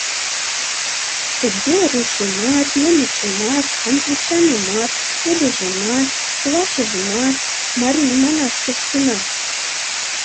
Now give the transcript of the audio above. Тыге рушымат, немычымат, англичанымат, одыжымат, чувашыжымат марий манаш тоштына.